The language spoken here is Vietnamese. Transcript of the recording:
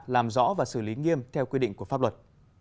làm rõ và xử lý nghiêm theo quy định của pháp luật